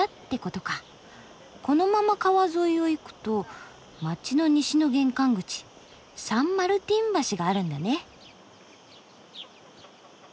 このまま川沿いを行くと街の西の玄関口サン・マルティン橋があるんだね。